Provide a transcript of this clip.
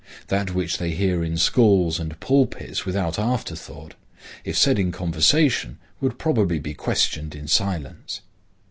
That which they hear in schools and pulpits without afterthought, if said in conversation would probably be questioned in silence.